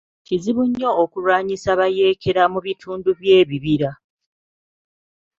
Kizibu nnyo okulwanisa bayeekera mu bitundu by'ebibira.